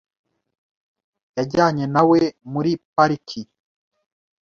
Yajyanye na we muri pariki.